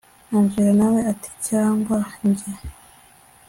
angella nawe ati cyangwa njye